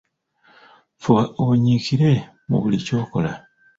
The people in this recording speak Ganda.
Fuba onyikiire mu buli ky’okola.